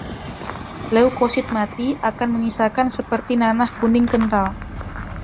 Leukosit mati akan menyisakan seperti nanah kuning kental.